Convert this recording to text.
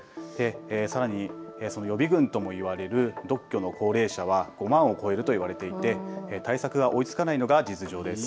さらに予備軍ともいわれる独居の高齢者は５万を超えるといわれていて対策が追いつかないのが実情です。